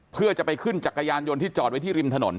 เพื่อจะไปขึ้นจักรยานยนต์ที่จอดไว้ที่ริมถนน